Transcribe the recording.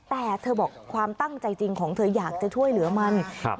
แต่เธอบอกความตั้งใจจริงของเธออยากจะช่วยเหลือมันครับ